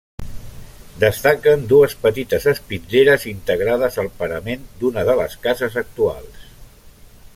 Destaquen dues petites espitlleres integrades al parament d'una de les cases actuals.